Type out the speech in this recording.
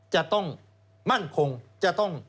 จะต้องมั่นคงจะต้อง